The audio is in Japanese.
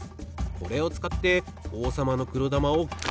これをつかっておうさまのくろだまをガッととめるんです。